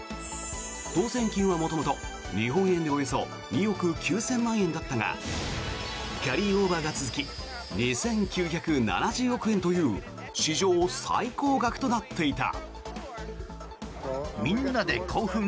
当選金は、元々日本円でおよそ２億９０００万円だったがキャリーオーバーが続き２９７０億円という史上最高額となっていた。